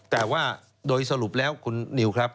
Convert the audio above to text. แต่ว่าโดยสรุปแล้วคุณนิวครับ